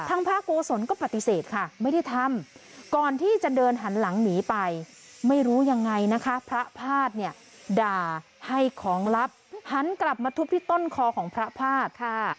พระโกศลก็ปฏิเสธค่ะไม่ได้ทำก่อนที่จะเดินหันหลังหนีไปไม่รู้ยังไงนะคะพระภาษณ์เนี่ยด่าให้ของลับหันกลับมาทุบที่ต้นคอของพระภาษณ์ค่ะ